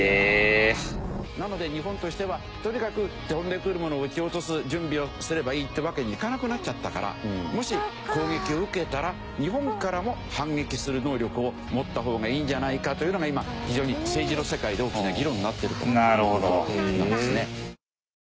なので日本としてはとにかく飛んでくるものを撃ち落とす準備をすればいいというわけにはいかなくなっちゃったからもし攻撃を受けたら日本からも反撃する能力を持った方がいいんじゃないかというのが今非常に政治の世界で大きな議論になっているという事なんですね。